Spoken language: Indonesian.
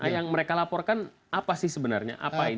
yang mereka laporkan apa sih sebenarnya apa itu